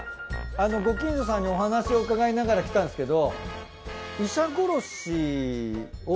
ご近所さんにお話を伺いながら来たんですけど。